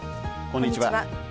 こんにちは。